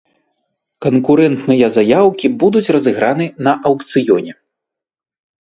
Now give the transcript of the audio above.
Канкурэнтныя заяўкі будуць разыграны на аўкцыёне.